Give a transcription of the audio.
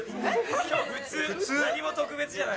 普通、何も特別じゃない。